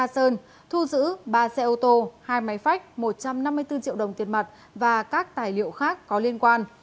sơn thu giữ ba xe ô tô hai máy phách một trăm năm mươi bốn triệu đồng tiền mặt và các tài liệu khác có liên quan